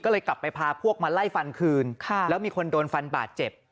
ก็เลยกลับไปพาพวกมาไล่ฟันคืนแล้วมีคนโดนฟันบาดเจ็บ